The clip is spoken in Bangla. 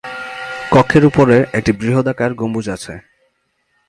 কক্ষের উপরে একটি বৃহদাকার গম্বুজ আছে।